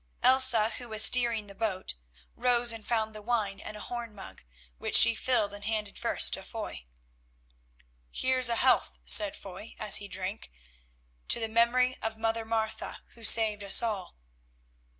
Elsa, who was steering the boat, rose and found the wine and a horn mug, which she filled and handed first to Foy. "Here's a health," said Foy as he drank, "to the memory of Mother Martha, who saved us all.